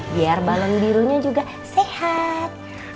biar balon birunya juga sehat